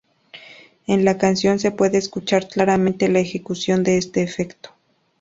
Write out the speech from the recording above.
En la canción se puede escuchar claramente la ejecución de este efecto.